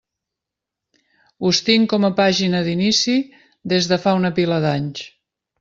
Us tinc com a pàgina d'inici des de fa una pila d'anys.